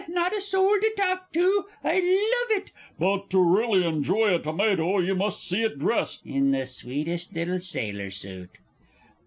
Not a soul to talk to. I love it ... but, to really enjoy a tomato, you must see it dressed ... in the sweetest little sailor suit!